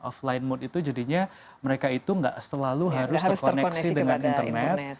offline mode itu jadinya mereka itu nggak selalu harus terkoneksi dengan internet